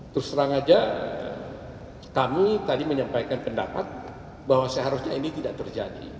terus terang aja kami tadi menyampaikan pendapat bahwa seharusnya ini tidak terjadi